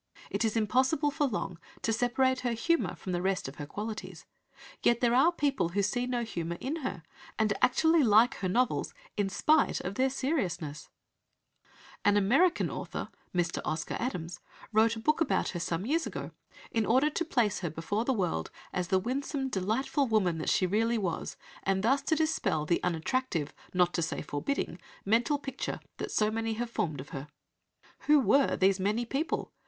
It is impossible for long to separate her humour from the rest of her qualities. Yet there are people who see no humour in her, and actually like her novels in spite of their "seriousness "! An American author, Mr. Oscar Adams, wrote a book about her some years ago in order "to place her before the world as the winsome, delightful woman that she really was, and thus to dispel the unattractive, not to say forbidding, mental picture that so many have formed of her." Who were these "many" people?